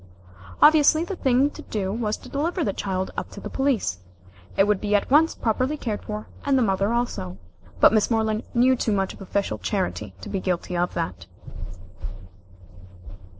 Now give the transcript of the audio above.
Obviously the thing to do was to deliver the child up to the police. It would be at once properly cared for, and the mother also. But Miss Moreland knew too much of official charity to be guilty of that.